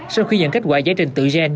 sau khi nhận kết quả giải trình tự gen